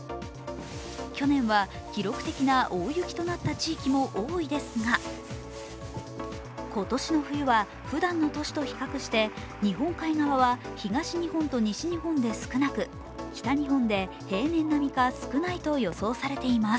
去年は記録的な大雪となった地域も多いですが今年の冬はふだんの年と比較して日本海側は東日本と西日本で少なく北日本で平年並みか少ないと予想されています